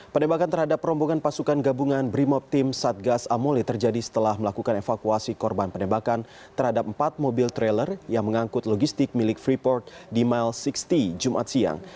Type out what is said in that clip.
penembakan terhadap rombongan pasukan gabungan brimop tim satgas amoli terjadi setelah melakukan evakuasi korban penembakan terhadap empat mobil trailer yang mengangkut logistik milik freeport di mile enam puluh jumat siang